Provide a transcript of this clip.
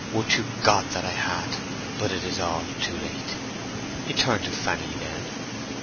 Would to God that I had; but it is all too late!" He turned to Fanny then.